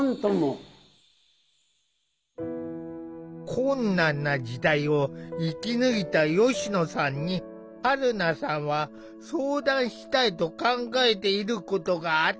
困難な時代を生き抜いた吉野さんにはるなさんは相談したいと考えていることがあった。